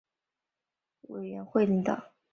当时的伊拉克童军倡议委员会领导。